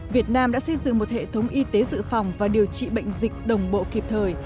việt nam đã xây dựng một hệ thống y tế dự phòng và điều trị bệnh dịch đồng bộ kịp thời